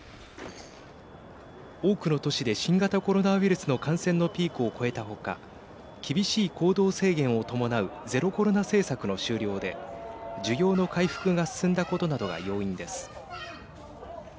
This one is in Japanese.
多くの都市で新型コロナウイルスの感染のピークを越えた他厳しい行動制限を伴うゼロコロナ政策の終了で需要の回復が進んだことなどが要因です。